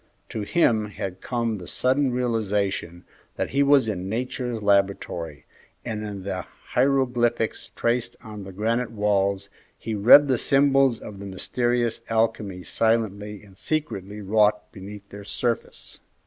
To him had come the sudden realization that he was in Nature's laboratory, and in the hieroglyphics traced on the granite walls he read the symbols of the mysterious alchemy silently and secretly wrought beneath their surface.